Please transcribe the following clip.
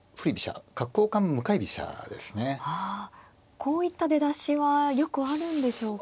こういった出だしはよくあるんでしょうか。